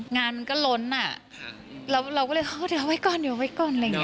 งานมันก็ล้นอ่ะเราก็เลยเดี๋ยวไว้ก่อนอะไรอย่างนี้